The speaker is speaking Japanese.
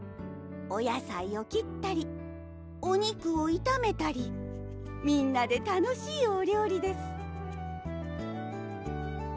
お野菜を切ったりお肉をいためたりみんなで楽しいお料理です